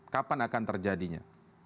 kapan akan terjadinya